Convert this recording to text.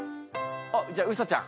あっじゃあうさちゃん。